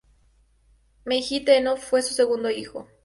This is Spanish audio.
Meiji Tennō fue su segundo hijo.